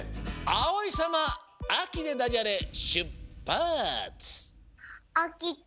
あおいさま「あき」でダジャレしゅっぱつ！